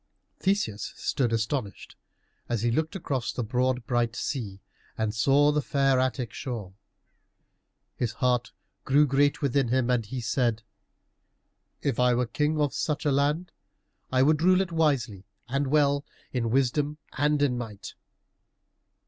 Theseus stood astonished, as he looked across the broad bright sea and saw the fair Attic shore. His heart grew great within him, and he said, "If I were king of such a land, I would rule it wisely and well, in wisdom and in might."